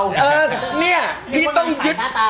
เป็นงานใสใหม่ของเรา